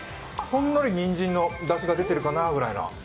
ほんのりにんじんのだしが出てるかなくらいの。